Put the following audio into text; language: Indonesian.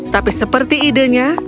tapi seperti idenya